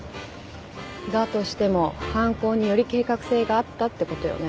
だとしても犯行により計画性があったって事よね？